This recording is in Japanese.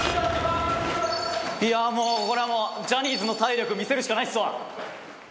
いやもうこれはもうジャニーズの体力見せるしかないっすわ。